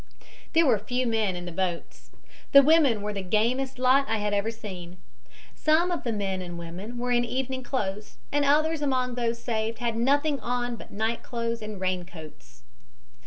There were few men in the boats. The women were the gamest lot I have ever seen. Some of the men and women were in evening clothes, and others among those saved had nothing on but night clothes and raincoats."